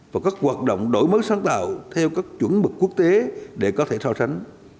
và các hoạt động đổi mới sáng tạo theo các chuẩn mực quốc tế để có thể so sánh